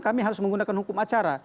kami harus menggunakan hukum acara